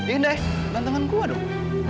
ini deh gantengan gue dong